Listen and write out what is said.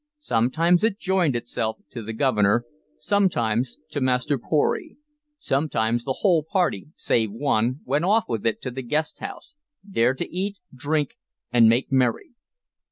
Sometimes it joined itself to the Governor, sometimes to Master Pory; sometimes the whole party, save one, went off with it to the guest house, there to eat, drink, and make merry.